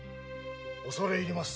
おそれ入ります。